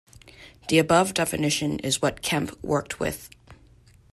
The above definition is what Kempe worked with.